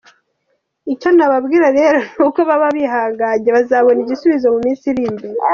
Icyo nababwira rero ni uko baba bihanganye bazabona igisubizo mu minsi iri imbere.